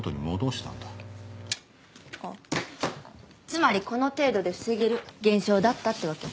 つまりこの程度で防げる現象だったってわけ？